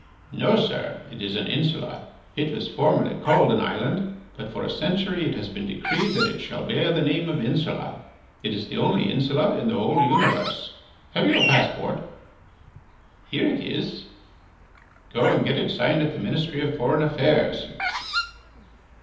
"No, sir, it is an insula. It was formerly called an island, but for a century it has been decreed that it shall bear the name of insula. It is the only insula in the whole universe. Have you a passport?" "Here it is." "Go and get it signed at the Ministry of Foreign Affairs."